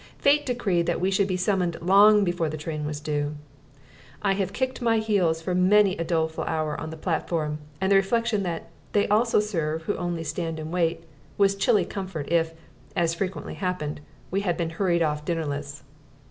Fate decreed that we should be summoned long before the train was due. I have kicked my heels for many a doleful hour on that platform, and the reflection that "they also serve who only stand and wait" was chilly comfort if as frequently happened we had been hurried off dinnerless.